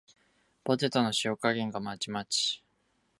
ポテトの塩加減がまちまち